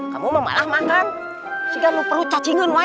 kamu malah makan tidak perlu cacingan